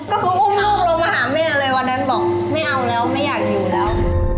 ก็คืออุ้มลูกลงมาหาแม่เลยวันนั้นบอกไม่เอาแล้วไม่อยากอยู่แล้ว